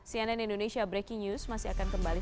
cnn indonesia breaking news masih akan kembali